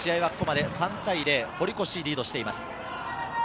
試合はここまで３対０、堀越がリードしています。